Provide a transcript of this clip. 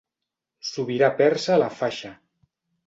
Sobirà persa a la faixa.